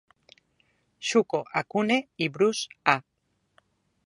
Shuko Akune i Bruce A.